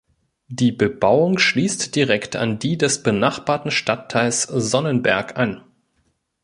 Die Bebauung schließt direkt an die des benachbarten Stadtteils Sonnenberg an.